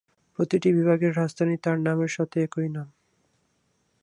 প্রতিটি বিভাগের রাজধানী তার নামের সাথে একই নাম।